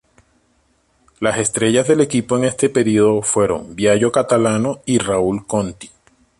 Las estrellas del equipo en este período fueron Biagio Catalano y Raúl Conti.